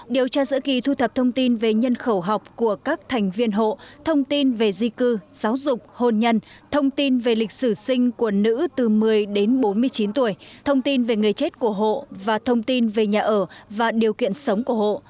điều tra giữa kỳ thu thập thông tin về nhân khẩu học của các thành viên hộ thông tin về di cư giáo dục hôn nhân thông tin về lịch sử sinh của nữ từ một mươi đến bốn mươi chín tuổi thông tin về người chết của hộ và thông tin về nhà ở và điều kiện sống của hộ